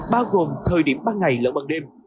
bao gồm thời điểm ban ngày lẫn ban đêm